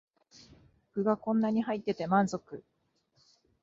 具がこんなに入ってて満足